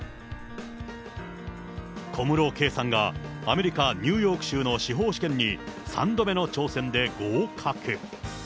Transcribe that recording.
小室圭さんがアメリカ・ニューヨーク州の司法試験に、３度目の挑戦で合格。